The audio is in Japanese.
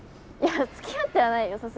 いやつきあってはないよ